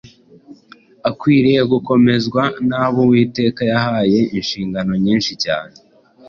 akwiriye gukomezwa n’abo Uwiteka yahaye inshingano nyinshi cyane.